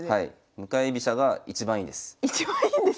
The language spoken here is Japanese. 向かい飛車が一番いいです。